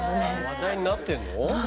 話題になってんの？